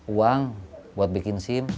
uang buat bikin sim